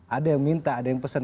ada yang minta ada yang pesan